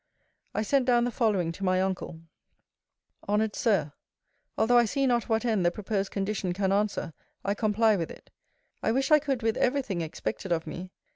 I sent down the following to my uncle: HONOURED SIR, Although I see not what end the proposed condition can answer, I comply with it. I wish I could with every thing expected of me.